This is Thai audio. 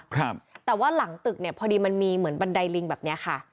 ครับแต่ว่าหลังตึกเนี่ยพอดีมันมีเหมือนบันไดลิงแบบเนี้ยค่ะ